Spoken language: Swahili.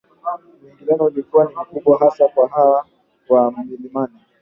Muingiliano ulikuwa ni mkubwa hasa kwa waha wa milimani